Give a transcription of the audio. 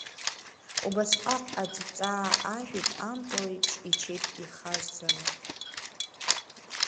Убасҟак аӡ-ҵаа ажәит, ампыл еиԥш ичит ихаззала.